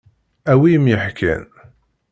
A wi i m-yeḥkan.